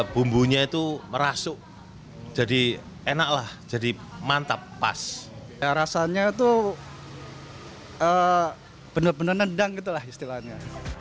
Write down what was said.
bumbunya itu merasuk jadi enaklah jadi mantap pas rasanya tuh bener bener nendang itulah istilahnya